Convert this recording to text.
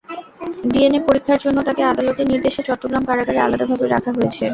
DNA পরীক্ষার জন্য তাকে আদালতের নির্দেশে চট্টগ্রাম কারাগারে আলাদাভাবে রাখা হয়েছে।